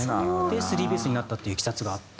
スリーピースになったっていういきさつがあって。